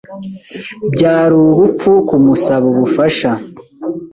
Byari ubupfu kumusaba ubufasha.